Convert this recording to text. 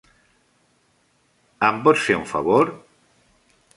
Em pots fer un favor?